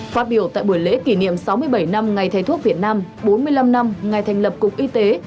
phát biểu tại buổi lễ kỷ niệm sáu mươi bảy năm ngày thầy thuốc việt nam bốn mươi năm năm ngày thành lập cục y tế